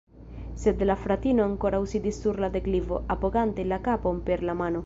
Sed la fratino ankoraŭ sidis sur la deklivo, apogante la kapon per la mano.